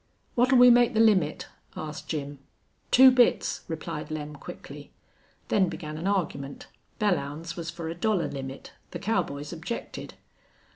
"What'll we make the limit?" asked Jim. "Two bits," replied Lem, quickly. Then began an argument. Belllounds was for a dollar limit. The cowboys objected.